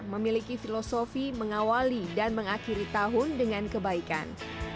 memiliki filosofi mengawali dan mengakhiri tahun dengan kebaikan